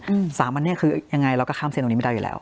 อืมสามอันเนี้ยคือยังไงเราก็ข้ามเส้นตรงนี้ไม่ได้อยู่แล้ว